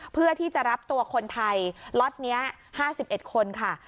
เพื่อที่จะรับตัวคนไทยล็อตนี้๕๑คนค่ะ